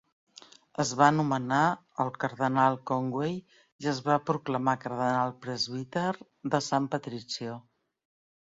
Es va nomenar el cardenal Conway i es va proclamar cardenal presbiter de San Patrizio.